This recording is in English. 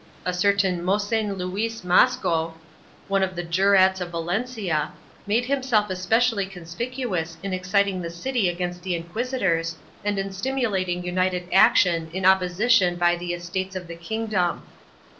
A certain Mossen Luis Masquo, one of the jurats of Valencia, made himself especially conspicuous in exciting the city against the inquisitors and in stimulating united action in opposition by the Estates of the kingdom.